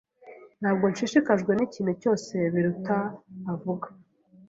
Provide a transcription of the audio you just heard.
Ntabwo nshishikajwe n'ikintu cyose Biruta avuga.